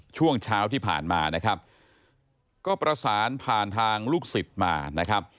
ช่วงเช้าที่ผ่านมานะครับก็ประสานผ่านทางลูกศิษย์มานะครับ